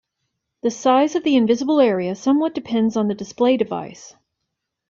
The size of the invisible area somewhat depends on the display device.